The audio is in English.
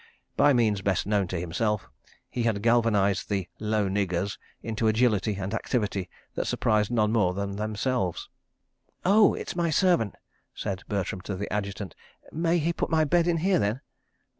By means best known to himself he had galvanised the "low niggers" into agility and activity that surprised none more than themselves. "Oh—it's my servant," said Bertram to the Adjutant. "May he put my bed in here, then?"